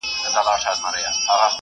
په هغه وخت کی یې علاج نه کېدی .